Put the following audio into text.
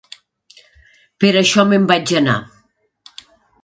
Per això me'n vaig anar.